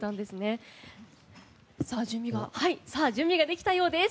準備ができたようです。